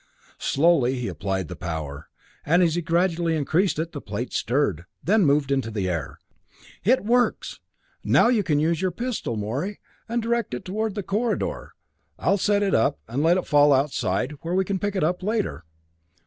Slowly he applied the power, and as he gradually increased it, the plate stirred, then moved into the air. "It works! Now you can use your pistol, Morey, and direct it toward the corridor. I'll send it up, and let it fall outside, where we can pick it up later."